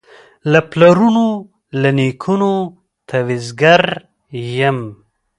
له پلرونو له نیکونو تعویذګر یم